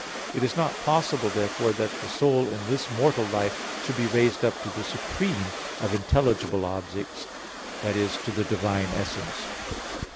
It is not possible, therefore, that the soul in this mortal life should be raised up to the supreme of intelligible objects, i.e. to the divine essence.